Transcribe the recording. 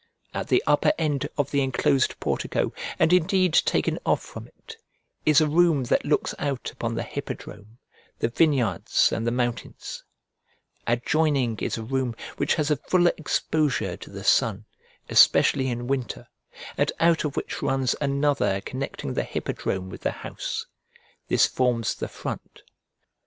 At the upper end of the enclosed portico, and indeed taken off from it, is a room that looks out upon the hippodrome, the vineyards, and the mountains; adjoining is a room which has a full exposure to the sun, especially in winter, and out of which runs another connecting the hippodrome with the house. This forms the front.